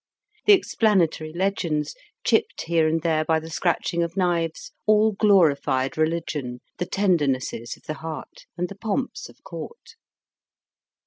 The explanatory legends, chipped here and there by the scratching of knives, all glorified religion, the tendernesses of the heart, and the pomps of court.